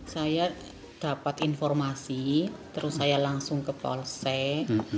saya dapat informasi terus saya langsung ke polsek